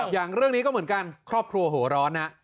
อย่างเรื่องนี้ก็เหมือนกันครอบครัวหัวร้อนนะ